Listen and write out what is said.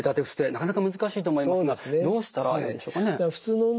なかなか難しいと思いますがどうしたらいいんでしょうかね？